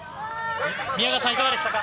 宮川さん、いかがでしたか。